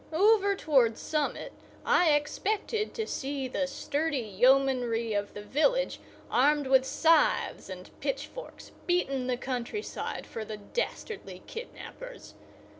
Over toward Summit I expected to see the sturdy yeomanry of the village armed with scythes and pitchforks beating the countryside for the dastardly kidnappers.